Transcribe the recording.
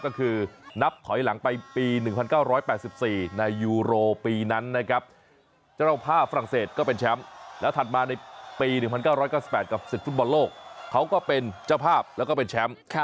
ก็คือนับถอยหลังไปปี๑๙๘๔ในยูโรปีนั้นนะครับเจ้าภาพฝรั่งเศสก็เป็นแชมป์แล้วถัดมาในปี๑๙๙๘กับศึกฟุตบอลโลกเขาก็เป็นเจ้าภาพแล้วก็เป็นแชมป์